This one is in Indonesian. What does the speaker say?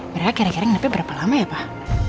mereka kira kira nampak berapa lama ya pak